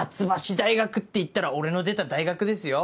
大学っていったら俺の出た大学ですよ。